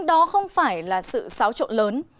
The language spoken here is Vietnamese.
đó không phải là sự xáo trộn lớn